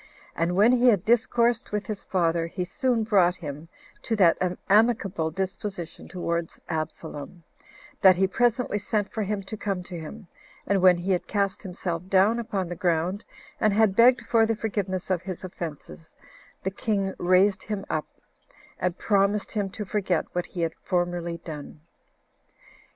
And when he had discoursed with his father, he soon brought him to that amicable disposition towards Absalom, that he presently sent for him to come to him; and when he had cast himself down upon the ground, and had begged for the forgiveness of his offenses, the king raised him up, and promised him to forget what he had formerly done.